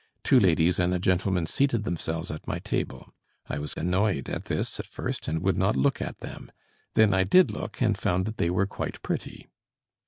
Two ladies and a gentleman seated themselves at my table. I was annoyed at this at first, and would not look at them. Then I did look, and found that they were quite pretty."